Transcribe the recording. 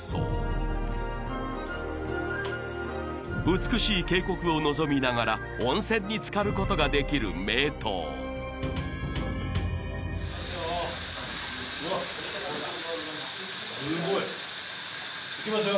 美しい渓谷を臨みながら温泉につかることができる名湯すごいいきますよ